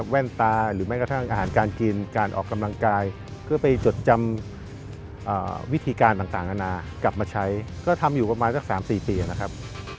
แว่นตาหรือแม้กระทั่งอาหารการกินการออกกำลังกายเพื่อไปจดจำวิธีการต่างนานากลับมาใช้ก็ทำอยู่ประมาณสัก๓๔ปีนะครับ